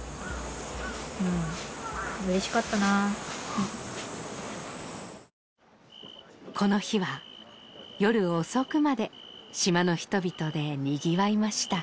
そううんこの日は夜遅くまで島の人々でにぎわいました